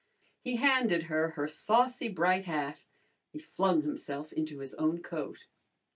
He handed her her saucy bright hat. He flung himself into his own coat.